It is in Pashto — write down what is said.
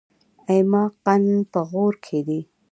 ایماقان په غور کې دي؟